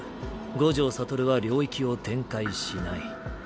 五条悟は領域を展開しない。